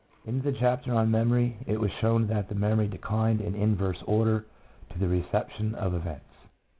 In the chapter on memory it was shown that the memory declined in inverse order to the reception of events.